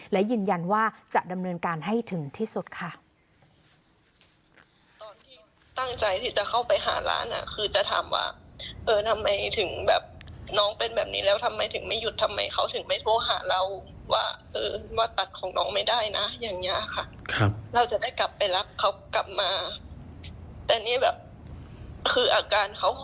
และยืนยันว่าจะดำเนินการให้ถึงที่สุดค่ะ